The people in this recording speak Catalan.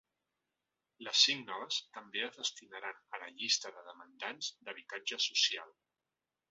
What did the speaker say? Les cinc noves també es destinaran a la llista de demandants d’habitatge social.